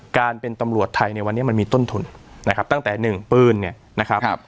การเป็นตำรวจไทยในวันนี้มันมีต้นทุนนะครับตั้งแต่หนึ่งปืนเนี่ยนะครับ